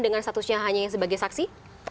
dengan statusnya hanya sebagai saksi